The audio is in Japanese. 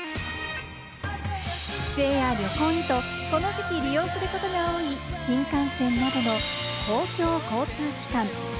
帰省や旅行にと、この時期利用することが多い新幹線などの公共交通機関。